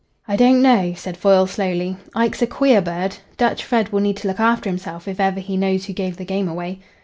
"I don't know," said Foyle slowly. "Ike's a queer bird. Dutch Fred will need to look after himself if ever he knows who gave the game away.